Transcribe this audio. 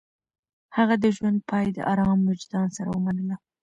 هغه د ژوند پاى د ارام وجدان سره ومنله.